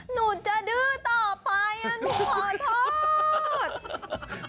หนูจะดื้อต่อไปหนูขอโทษ